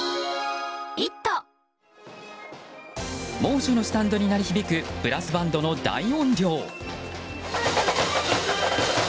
猛暑のスタンドに鳴り響くブラスバンドの大音量。